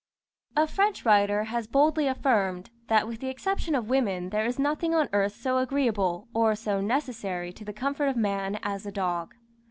] A French writer has boldly affirmed, that with the exception of women there is nothing on earth so agreeable, or so necessary to the comfort of man, as the dog.